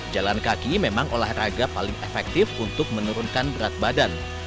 jalan kaki memang olahraga paling efektif untuk menurunkan berat badan